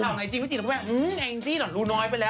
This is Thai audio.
ถ้าเกิดข่าวหน่อยจริงคุณแม่อื้อแองจี้หล่อนรูน้อยไปแล้ว